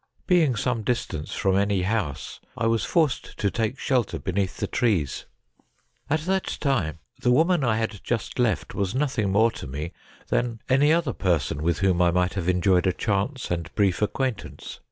Being some distance from any house, I was forced to take shelter beneath the trees. At that time the woman I had just left was nothing more to me than any other person with whom I might have enjoyed a chance and brief acquaintance.